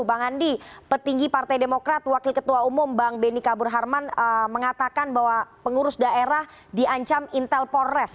bang andi petinggi partai demokrat wakil ketua umum bang benny kabur harman mengatakan bahwa pengurus daerah diancam intel polres